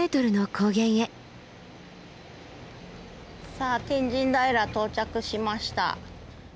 さあ天神平到着しました。